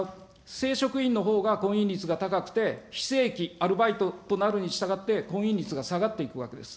正職員のほうが婚姻率が高くて非正規、アルバイトとなるにしたがって、婚姻率が下がっていくわけです。